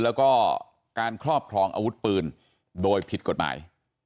แล้วก็การครอบครองอาวุธปืนโดยผิดกฎหมาย